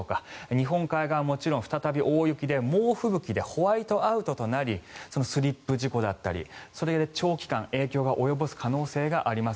日本海側はもちろん再び大雪で猛吹雪でホワイトアウトとなりスリップ事故だったりそれで長期間影響を及ぼす可能性があります。